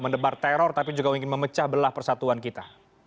mendebar teror tapi juga ingin memecah belah persatuan kita